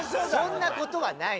そんな事はない。